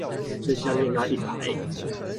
最下面那一排